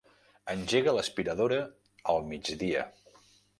Engega l'aspiradora al migdia.